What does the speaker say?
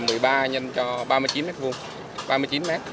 ba mươi chín m hai là hệ thống sàn nâng